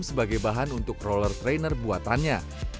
sebagai bahan untuk roller trainer buatannya